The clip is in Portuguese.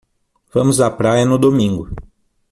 Vamos à praia no domingo